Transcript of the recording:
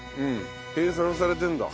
計算されてるんだ。